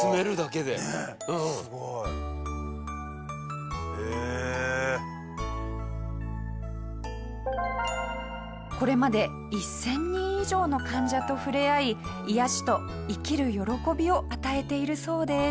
下平：これまで１０００人以上の患者と触れ合い癒やしと生きる喜びを与えているそうです。